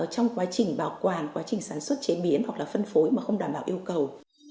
trong quá trình bảo quản quá trình sản xuất chế biến hoặc là phân phối mà không đảm bảo yêu cầu